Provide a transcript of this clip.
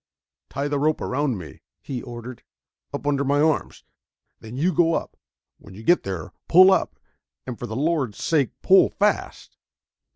"Tie the rope around me," he ordered, "up under my arms ... then you go on up. When you get there pull up and for the Lord's sake pull fast!"